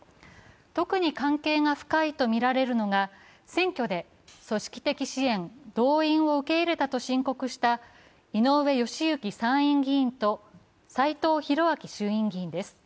特に関係が深いとみられるのが選挙で組織的支援・動員を受け入れたと申告した井上義行参院議員と斎藤洋明衆院議員です。